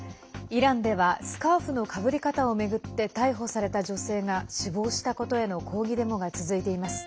イランではスカーフのかぶり方を巡って逮捕された女性が死亡したことへの抗議デモが続いています。